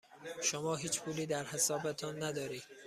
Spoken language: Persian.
شما هیچ پولی در حسابتان ندارید.